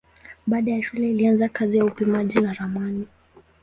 Baada ya shule alianza kazi ya upimaji na ramani.